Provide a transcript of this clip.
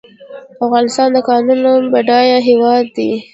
افغانستان د کانونو بډایه هیواد دی